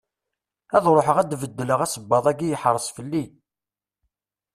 Ad ruḥeɣ ad d-beddleɣ asebbaḍ-agi, yeḥreṣ fell-i.